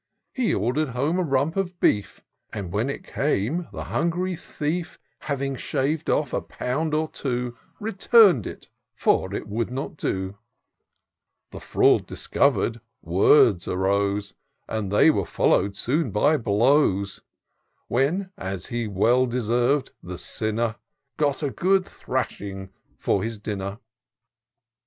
He order'd home a rump of beef; And when it came, the hungry thief, Having shav'd off a pound or two Retum'd it, for it would not do.. IN SEARCH OF THE PICTURESQUE. 353 The &aud discover'd, words arose. And they were follow'd soon by blows : When, as he well deserv'd, the sinner Got a good thrashing for his dinner."